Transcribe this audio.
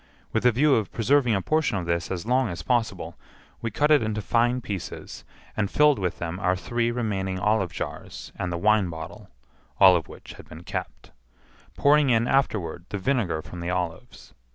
With a view of preserving a portion of this as long as possible, we cut it into fine pieces, and filled with them our three remaining olive jars and the wine bottle (all of which had been kept), pouring in afterward the vinegar from the olives.